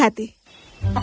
dan dia menerima ayamnya